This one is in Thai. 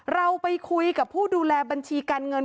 เราไปคุยกับผู้ดูแลบัญชีการเงิน